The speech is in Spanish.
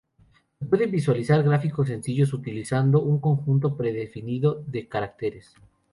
Se pueden visualizar gráficos sencillos utilizando un conjunto predefinido de caracteres.